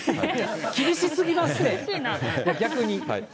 厳しすぎますね、逆に。